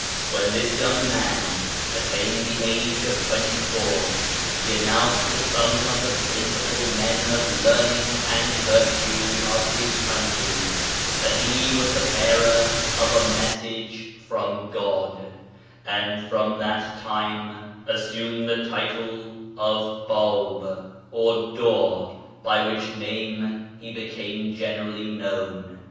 When this young man attained the age of twenty four, he announced to some of the princi pal men of learning and virtue of his country that he was the bearer of a message from God, and from that time assumed the title of " Bab, " or door, by which name he became generally known.